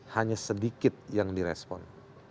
hanya sedikit yang di respon